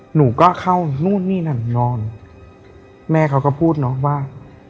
หนูก็เข้านู่นนี่นั่นนอนแม่เขาก็พูดเนาะว่า